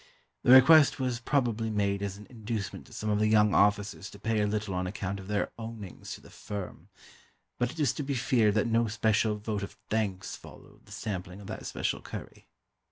The request was probably made as an inducement to some of the young officers to pay a little on account of their "owings" to the firm; but it is to be feared that no special vote of thanks followed the sampling of that special curry.